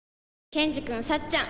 ケンジくんさっちゃん